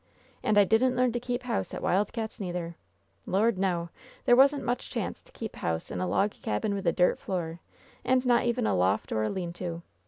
"And I didn't learn to keep house at Wild Cats', neither !• Lord, no; there wasn't much chance to keep house in a log cabin with a dirt floor, and not even a loft oir a lean to